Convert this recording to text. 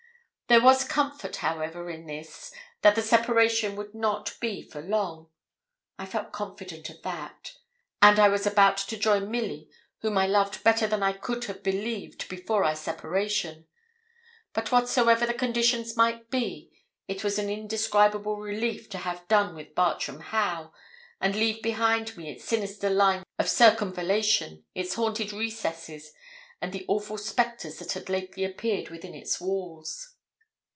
There was comfort, however, in this that the separation would not be for long; I felt confident of that; and I was about to join Milly, whom I loved better than I could have believed before our separation; but whatsoever the conditions might be, it was an indescribable relief to have done with Bartram Haugh, and leave behind me its sinister lines of circumvallation, its haunted recesses, and the awful spectres that had lately appeared within its walls.